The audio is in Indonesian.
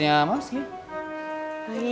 iya soalnya kamar atas sudah dibersihin mami